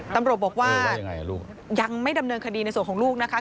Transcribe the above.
ตำรวจบอกว่ายังไม่ดำเนินคดีในส่วนของลูกนะคะ